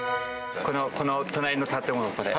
この隣の建物これ。